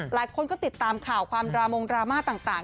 หลายคนก็ติดตามข่าวความดรามงดราม่าต่าง